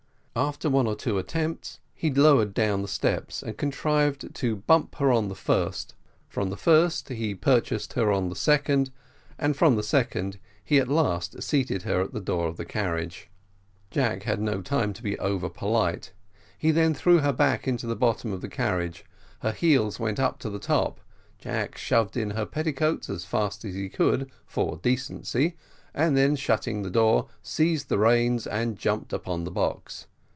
After one or two attempts, he lowered down the steps, and contrived to bump her on the first, from the first he purchased her on the second, and from the second he at last seated her at the door of the carriage. Jack had no time to be over polite. He then threw her back into the bottom of the carriage, her heels went up to the top, Jack shoved in her petticoats as fast as he could, for decency, and then shutting the door seized the reins, and jumped upon the box.